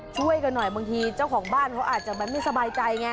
ช่วยกันหน่อยบางทีเจ้าของบ้านเขาอาจจะไม่สบายใจไง